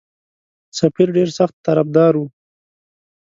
سفیر ډېر سخت طرفدار وو.